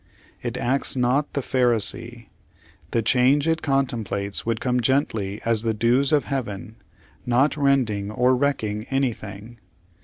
It acts not the Pharisee. The changre it contemplates would come gently as the dews of Heaven, not rending or wrecking anything.